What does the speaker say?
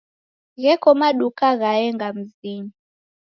Gheko maduka ghaenga mzinyi.